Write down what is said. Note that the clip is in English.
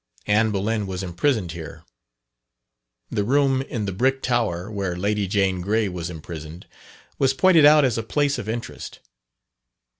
Anne Boleyn was imprisoned here. The room in the "Brick Tower," where Lady Jane Grey was imprisoned, was pointed out as a place of interest.